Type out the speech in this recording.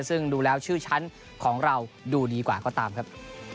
ซึ่งดูแล้วชื่อชั้นของเราดูดีกว่าก็ตามครับ